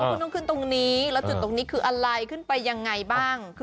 คุณต้องขึ้นตรงนี้แล้วจุดตรงนี้คืออะไรขึ้นไปยังไงบ้าง